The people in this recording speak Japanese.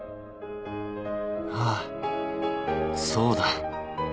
ああそうだ。